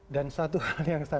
dan satu hal yang sangat penting